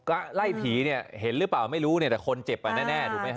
ก็ไล่ผีเนี่ยเห็นหรือเปล่าไม่รู้เนี่ยแต่คนเจ็บอ่ะแน่ถูกไหมฮ